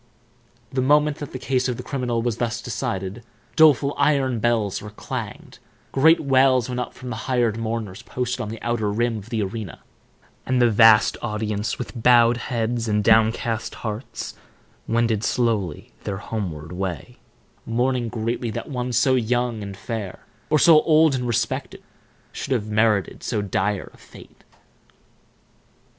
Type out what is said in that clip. The moment that the case of the criminal was thus decided, doleful iron bells were clanged, great wails went up from the hired mourners posted on the outer rim of the arena, and the vast audience, with bowed heads and downcast hearts, wended slowly their homeward way, mourning greatly that one so young and fair, or so old and respected, should have merited so dire a fate.